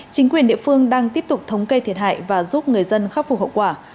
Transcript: chính quyền địa phương đang tiếp tục thống kê thiệt hại và giúp người dân khắc phục hậu quả